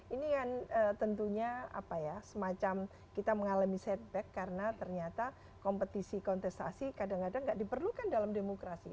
ini kan tentunya apa ya semacam kita mengalami setback karena ternyata kompetisi kontestasi kadang kadang tidak diperlukan dalam demokrasi